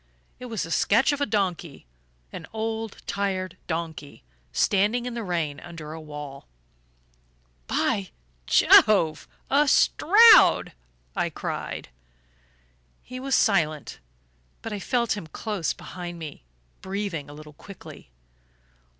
It was a sketch of a donkey an old tired donkey, standing in the rain under a wall. "By Jove a Stroud!" I cried. He was silent; but I felt him close behind me, breathing a little quickly.